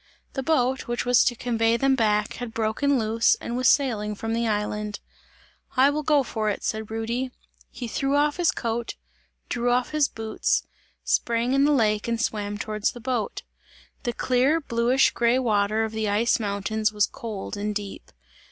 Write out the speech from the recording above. The boat, which was to convey them back, had broken loose and was sailing from the island. "I will go for it!" said Rudy. He threw off his coat, drew off his boots, sprang in the lake and swam towards the boat. The clear, bluish grey water of the ice mountains, was cold and deep.